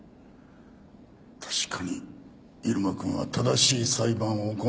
確かに入間君は正しい裁判を行う。